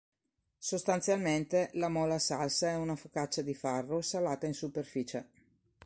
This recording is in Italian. Sostanzialmente, la mola salsa è una focaccia di farro, salata in superficie.